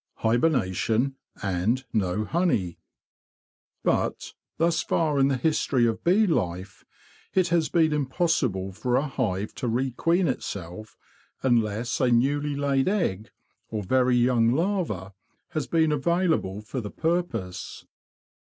Hibernation, and no Honey But, thus far in the history of bee life, it has been impossible for a hive to re queen itself unless a newly laid egg, or very young larva, has been available for the purpose.